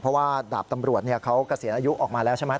เพราะว่าดาบตำรวจเขาเกษียณอายุออกมาแล้วใช่ไหม